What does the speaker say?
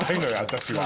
私は。